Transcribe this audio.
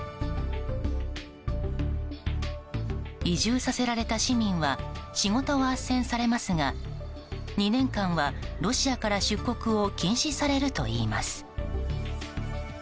移住させられた市民は仕事はあっせんされますが２年間はロシアから出国を禁止されるといいます。